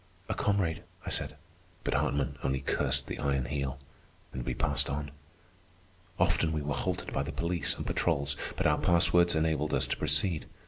"A comrade," I said. But Hartman only cursed the Iron Heel, and we passed on. Often we were halted by the police and patrols, but our passwords enabled us to proceed.